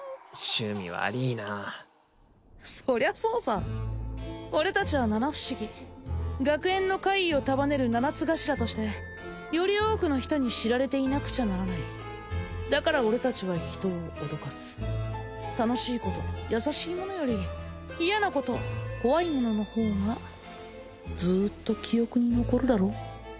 シュミわりいなそりゃそうさ俺達は七不思議学園の怪異を束ねる七つ頭としてより多くのヒトに知られていなくちゃならないだから俺達はヒトを脅かす楽しいこと優しいものより嫌なこと怖いもののほうがずーっと記憶に残るだろ？